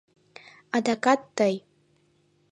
— Адакат тый?!